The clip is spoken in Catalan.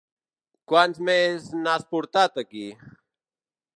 Quants més n'has portat, aquí?